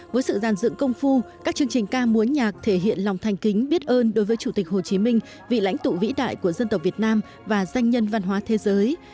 với sự giàn dựng công phu các chương trình ca múa nhạc thể hiện lòng thành kính biết ơn đối với chủ tịch hồ chí minh vị lãnh tụ vĩ đại của dân tộc việt nam và danh nhân văn hóa thế giới